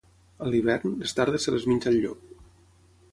A l'hivern, les tardes se les menja el llop.